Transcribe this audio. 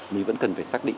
mình vẫn cần phải xác định